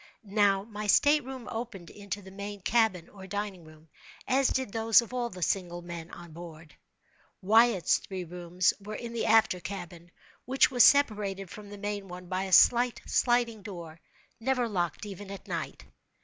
Now, my state room opened into the main cabin, or dining room, as did those of all the single men on board. Wyatt's three rooms were in the after cabin, which was separated from the main one by a slight sliding door, never locked even at night.